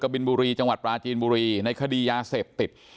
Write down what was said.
บินบุรีจังหวัดปลาจีนบุรีในคดียาเสพติด